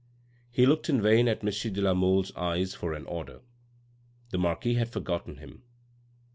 He looked in vain at M. de la Mole's eyes for an order; the marquis had forgotten him.